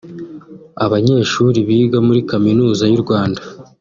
Abanyeshuri biga muri Kaminuza y’u Rwanda